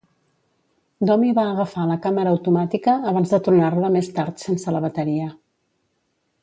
Domi va agafar la càmera automàtica abans de tornar-la més tard sense la bateria.